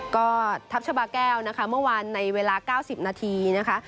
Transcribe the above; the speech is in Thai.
ก็ทัพชาบาแก้วนะคะเมื่อวานในเวลา๙๐นาทีนะคะ